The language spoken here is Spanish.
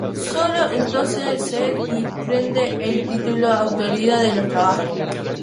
Solo entonces se difunden el título y autoría de los trabajos.